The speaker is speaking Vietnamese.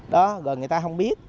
rồi người ta không biết